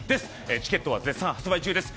チケットは絶賛発売中です。